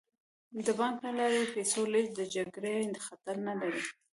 د بانک له لارې د پیسو لیږد د جګړې خطر نه لري.